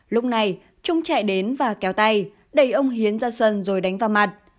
lúc này trung chạy đến và kéo tay đẩy ông hiến ra sân rồi đánh vào mặt